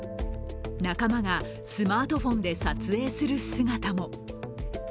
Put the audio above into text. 仲間がスマートフォンで撮影する姿も。